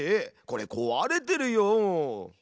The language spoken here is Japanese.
これこわれてるよ！